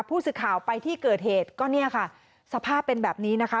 ผู้สื่อข่าวไปที่เกิดเหตุก็เนี่ยค่ะสภาพเป็นแบบนี้นะคะ